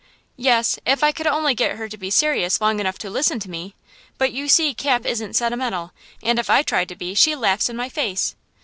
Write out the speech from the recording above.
"Yes; if I could only get her to be serious long enough to listen to me! But you see Cap isn't sentimental, and if I try to be she laughs in my face."